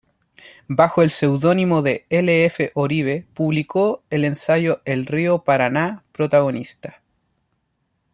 Bajo el seudónimo de L. F. Oribe publicó el ensayo El río Paraná protagonista.